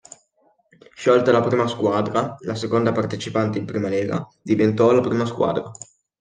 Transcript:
Sciolta la prima squadra, la seconda partecipante in prima lega, diventò la prima squadra.